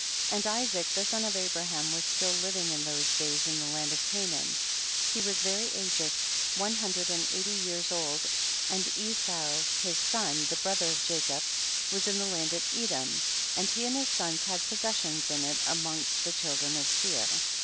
And Isaac the son of Abraham was still living in those days in the land of Canaan ; he ivas very aged, one hundred and eighty years old, and Esau his son, the brother of Ja cob, was in the land of Edom, and he and his sons had possessions in it amongst the children of Seir.